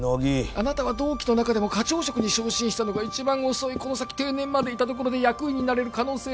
「あなたは同期の中でも課長職に昇進したのが一番遅い」「この先定年までいたところで役員になれる可能性はゼロ」